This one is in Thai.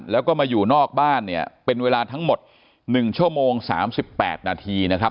แล้วก็มาอยู่นอกบ้านเนี่ยเป็นเวลาทั้งหมด๑ชั่วโมง๓๘นาทีนะครับ